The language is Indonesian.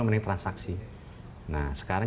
menit transaksi nah sekarang